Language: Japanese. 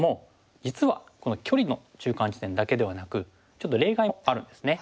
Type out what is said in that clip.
実はこの距離の中間地点だけではなくちょっと例外もあるんですね。